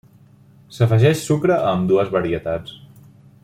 S'afegeix sucre a ambdues varietats.